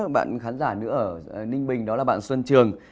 bạn khán giả nữa ở ninh bình đó là bạn xuân trường